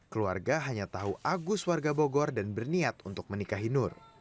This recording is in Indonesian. keluarga hanya tahu agus warga bogor dan berniat untuk menikahi nur